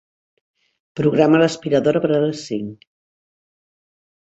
Programa l'aspiradora per a les cinc.